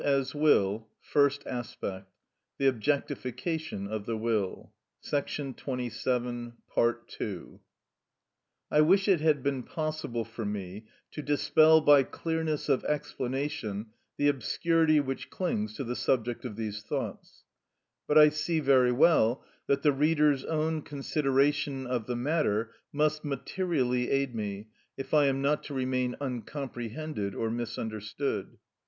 Here, then, already the law applies—Serpens nisi serpentem comederit non fit draco. I wish it had been possible for me to dispel by clearness of explanation the obscurity which clings to the subject of these thoughts; but I see very well that the reader's own consideration of the matter must materially aid me if I am not to remain uncomprehended or misunderstood.